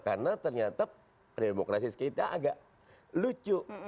karena ternyata demokrasi kita agak lucu